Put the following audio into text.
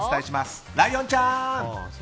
ライオンちゃん！